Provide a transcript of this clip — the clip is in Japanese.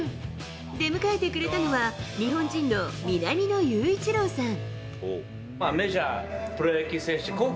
出迎えてくれたのは日本人の南野雄一郎さん。